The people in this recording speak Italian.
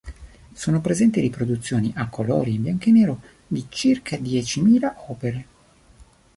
Sono presenti riproduzioni, a colori e in bianco e nero, di circa diecimila opere.